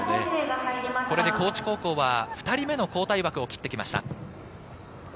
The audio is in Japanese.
これで高知高校は２人目の交代枠を切ってきました。